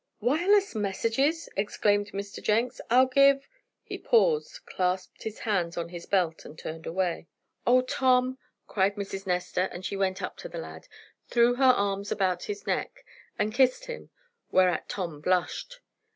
"Wireless messages!" exclaimed Mr. Jenks. "I'll give " He paused, clasped his hands on his belt, and turned away. "Oh, Tom!" cried Mrs. Nestor, and she went up to the lad, threw her arms about his neck, and kissed him; whereat Tom blushed.